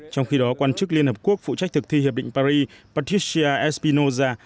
trong khi đó quan chức liên hợp quốc phụ trách thực thi hiệp định paris patristia espinoza